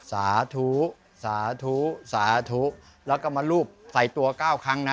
สาธุสาธุสาธุแล้วก็มารูปใส่ตัว๙ครั้งนะ